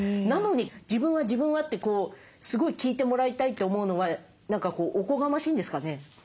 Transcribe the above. なのに「自分は自分は」ってこうすごい聞いてもらいたいと思うのは何かおこがましいんですかね？